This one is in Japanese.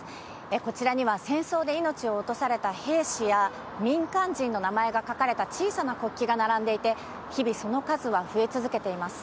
こちらには戦争で命を落とされた兵士や民間人の名前が書かれた小さな国旗が並んでいて、日々その数は増え続けています。